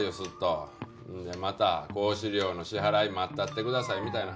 でまた講師料の支払い待ったってくださいみたいな話ちゃいますの？